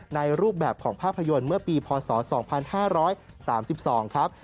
ในรูปแบบของภาพยนตร์เมื่อปีพศ๒๕๓๒ครับ